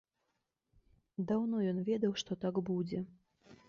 Даўно ён ведаў, што так будзе.